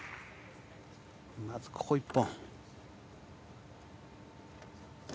まず、ここ１本。